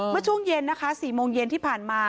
เมื่อช่วงเย็นนะคะ๔โมงเย็นที่ผ่านมา